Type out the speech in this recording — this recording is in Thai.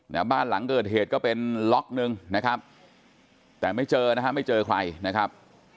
บ้านหลังเกิดเหตุก็เป็นล็อกหนึ่งนะครับแต่ไม่เจอนะฮะไม่เจอใครนะครับ